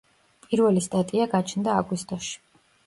პირველი სტატია გაჩნდა აგვისტოში.